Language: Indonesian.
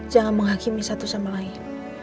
jangan menghakimi satu sama lain